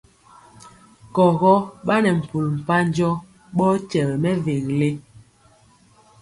Kɔgɔ ɓa nɛ mpul mpanjɔ ɓɔɔ kyɛwɛ mɛvele.